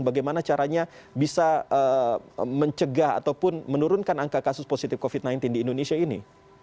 bagaimana caranya bisa mencegah ataupun menurunkan angka kasus positif covid sembilan belas di indonesia ini